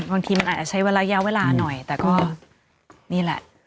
บางทีมันอาจจะใช้เวลาระยะเวลาหน่อยแต่ก็นี่แหละ